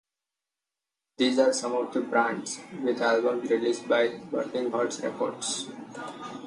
These are some of the bands with albums released by Burning Heart Records.